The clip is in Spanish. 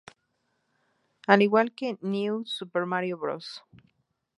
Al igual que "New Super Mario Bros.